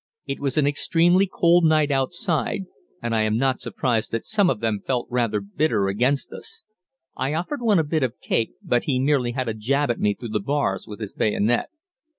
It was an extremely cold night outside, and I am not surprised that some of them felt rather bitter against us. I offered one a bit of cake, but he merely had a jab at me through the bars with his bayonet.